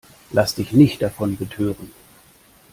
Lass dich nicht davon betören!